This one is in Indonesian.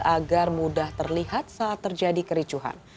agar mudah terlihat saat terjadi kericuhan